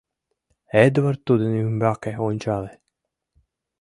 Эдвард тудын ӱмбаке ончале.